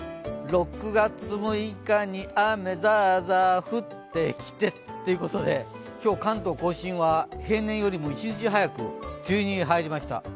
６月６日に雨ザーザー降ってきてということで、今日、関東甲信は平年より一日早く梅雨入りに入りました。